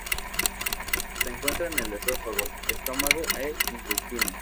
Se encuentra en el esófago, estómago e intestino.